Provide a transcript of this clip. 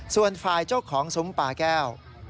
ส่วนฝ่ายเจ้าของซุ้มปลาแก้ว